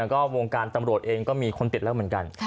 ก็วงการตำรวจเองก็มีคนติดแล้วเหมือนกัน